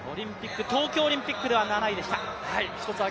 東京オリンピックでは７位でした。